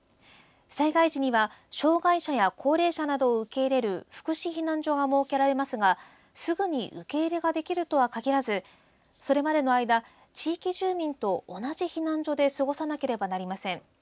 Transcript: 災害時には障害者や高齢者などを受け入れる福祉避難所が設けられますがすぐに受け入れができるとは限らずそれまでの間、地域住民と同じ避難所で過ごさなければなりません。